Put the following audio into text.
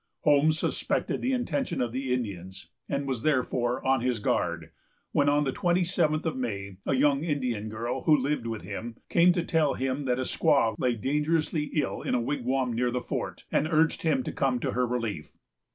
Holmes suspected the intention of the Indians, and was therefore on his guard, when, on the twenty seventh of May, a young Indian girl, who lived with him, came to tell him that a squaw lay dangerously ill in a wigwam near the fort, and urged him to come to her relief.